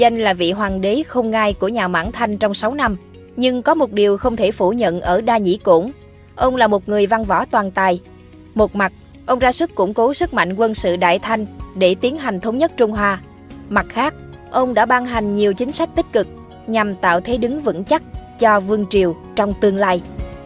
nhằm tạo thế đứng vững chắc cho vương triều trong tương lai